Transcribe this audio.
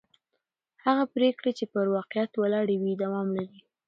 هغه پرېکړې چې پر واقعیت ولاړې وي دوام لري